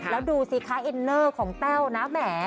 แล้วดูสิคะอินเนอร์ของแต้วนะแหม